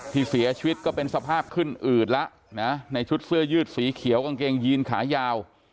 ที่เสียชีวิตก็เป็นสภาพขึ้นอืดแล้วนะในชุดเสื้อยืดสีเขียวกางเกงยีนขายาว